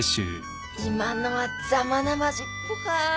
今のはざまなマジっぽか。